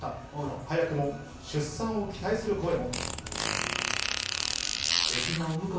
早くも出産を期待する声も。